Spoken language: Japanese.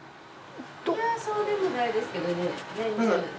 いやそうでもないですけどね。